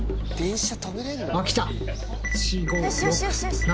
あっ来た。